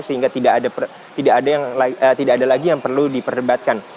sehingga tidak ada lagi yang perlu diperdebatkan